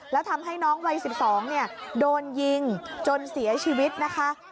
แล้วทำให้น้องวัย๑๒โดนยิงจนเสียชีวิตนะคะ